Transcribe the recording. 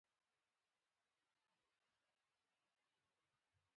هم ايـــماق و هم پـــشــه یــــیــان، دا هـــیــواد به تــل ځلــــــیــــږي